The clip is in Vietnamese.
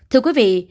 thưa quý vị